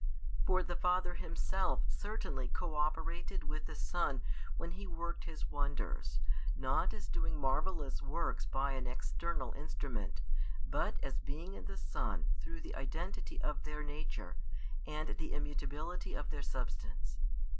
For the Father Himself certainly co operated with the Son when He worked His wonders, not as doing marvellous works by an external instrument, but as being in the Son through the identity of Their Nature and the immutability of Their Substance.